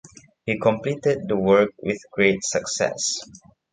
He completed the work with great success.